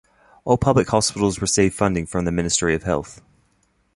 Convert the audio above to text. All public hospitals receive funding from the Ministry of Health.